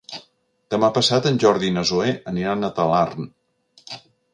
Demà passat en Jordi i na Zoè aniran a Talarn.